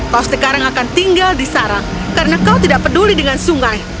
kau sekarang akan tinggal di sarang karena kau tidak peduli dengan sungai